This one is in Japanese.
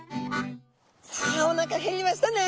さあおなか減りましたね。